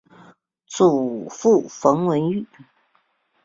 祖父冯文玉。